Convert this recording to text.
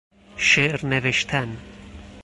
شعر نوشتن